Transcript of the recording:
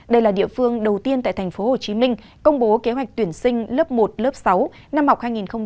đây là địa phương đầu tiên tại tp hcm công bố kế hoạch tuyển sinh lớp một lớp sáu năm học hai nghìn hai mươi hai nghìn hai mươi một